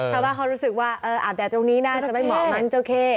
ชาวบ้านเขารู้สึกว่าอาบแดดตรงนี้น่าจะไม่เหมาะมั้งเจ้าเข้